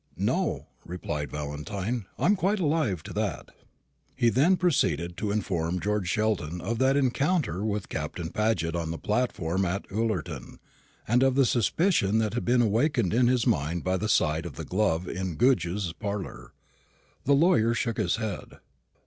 "No," replied Valentine; "I'm quite alive to that." He then proceeded to inform George Sheldon of that encounter with Captain Paget on the platform at Ullerton, and of the suspicion that had been awakened in his mind by the sight of the glove in Goodge's parlour. The lawyer shook his head.